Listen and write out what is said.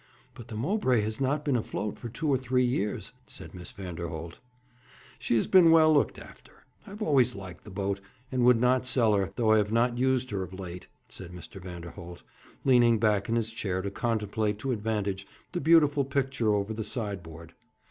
'But the Mowbray has not been afloat for two or three years,' said Miss Vanderholt. 'She has been well looked after. I have always liked the boat, and would not sell her, though I have not used her of late,' said Mr. Vanderholt, leaning back in his chair to contemplate to advantage the beautiful picture over the sideboard.